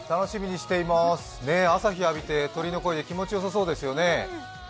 朝日浴びて、鳥の声で気持ちよさそうですね。